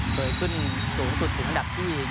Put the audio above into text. เคยขึ้นสูงสุดถึงอันดับที่๑